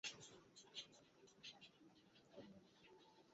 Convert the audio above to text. সুতরাং এখনো যদি তাঁকে জীবিত দেখা যায়, তাহলে তিনি এখনো জীবন্মৃতদের আমির।